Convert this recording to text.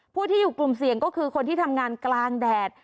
ผู้ที่อยู่กลุ่มเสี่ยงก็คือคนที่ทำงานกลางแดด